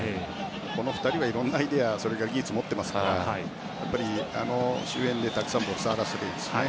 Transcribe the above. この２人はいろんなアイデアそれから技術を持ってますからあの周辺でたくさん触らせたいですよね。